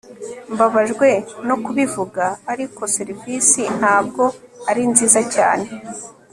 mbabajwe no kubivuga, ariko serivisi ntabwo ari nziza cyane